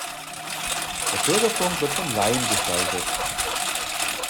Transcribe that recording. Der Bürgerfunk wird von Laien gestaltet.